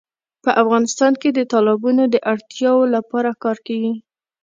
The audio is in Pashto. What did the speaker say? په افغانستان کې د تالابونو د اړتیاوو لپاره کار کېږي.